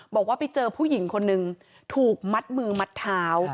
บอกว่าไปเจอผู้หญิงคนนึงถูกมัดมือมัดเท้า